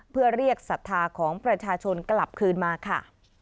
เพื่อเรียกศรัทธาของประชาชนกลับคืนมาค่ะ